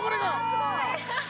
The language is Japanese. すごい！